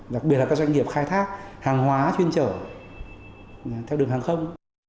đặc biệt là các doanh nghiệp khai thác hàng hóa chuyên chở theo đường hàng không